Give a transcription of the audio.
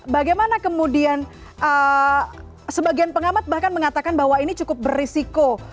bagaimana kemudian sebagian pengamat bahkan mengatakan bahwa ini cukup berisiko